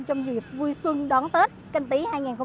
trong dịp vui xuân đón tết canh tí hai nghìn hai mươi